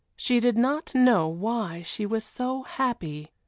She did not know why she was so happy.